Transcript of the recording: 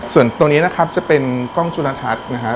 ส่วนตัวนี้นะครับจะเป็นกล้องจุลทัศน์นะฮะ